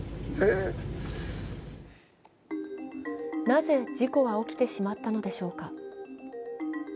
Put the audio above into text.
なぜ事故は起きてしまったのでしょうか。